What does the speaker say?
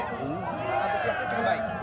antusiasnya cukup baik